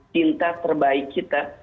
cinta terbaik kita